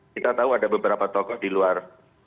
kita tahu ada beberapa tokoh di luar